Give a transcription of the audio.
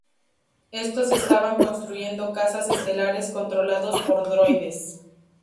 Estos estaban construyendo cazas estelares controlados por droides.